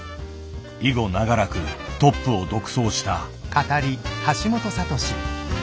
以後長らくトップを独走した。